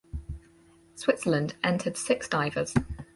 Switzerland entered six divers.